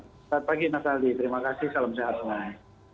selamat pagi nataldi terima kasih salam sehat semuanya